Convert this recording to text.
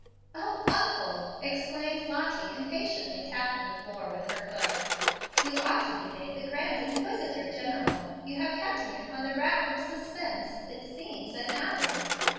"O uncle!" exclaimed Lottie, impatiently tapping the floor with her foot. "You ought to be made Grand Inquisitor General. You have kept me upon the rack of suspense it seems an hour."